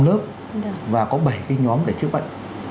lớp và có bảy cái nhóm để chữa bệnh